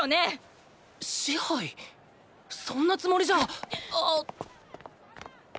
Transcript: そんなつもりじゃあぁ！